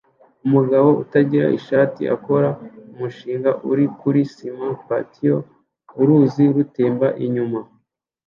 Umugabo utagira ishati akora umushinga uri kuri sima patio uruzi rutemba inyuma